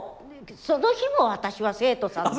その日も私は生徒さんで。